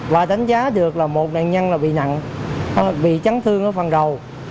và đánh giá được là một nạn nhân là bị nặng bị trắng thương ở phần đầu